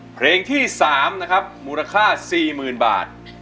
เพลงที่๓นะครับมูลค่า๔๐๐๐บาท